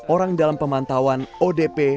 orang dalam pemantauan odp